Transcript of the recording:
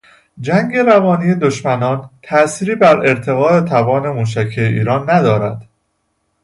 جنگ روانی دشمنان تأثیری بر ارتقاء توان موشکی ایران ندارد.